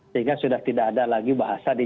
sehingga sudah tidak ada lagi bahasa di